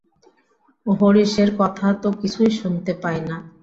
হরিশের কথা তো কিছুই শুনতে পাই না।